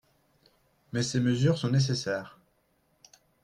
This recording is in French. Mais ces mesures sont nécessaires.